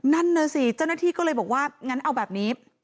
นั่นน่ะสิเจ้าหน้าที่ก็เลยบอกว่างั้นเอาแบบนี้